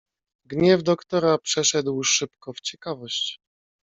"Gniew doktora przeszedł szybko w ciekawość."